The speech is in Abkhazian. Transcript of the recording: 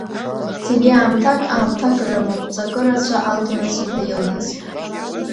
Зегьы аамҭак, аамҭак рымоуп, ҵакы рацәа алҭон Асида илҳәаз.